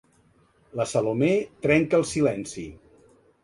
La Salomé trenca el silenci.